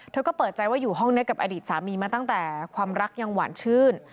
เธอก็เปิดใจว่าอยู่ห้องนี้กับอดีตสามีมาตั้งแต่ความรักยังหวานชื่น